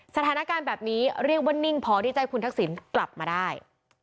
สถานการณ์แบบนี้เรียกว่านิ่งพอที่จะให้คุณทักษิณกลับมาได้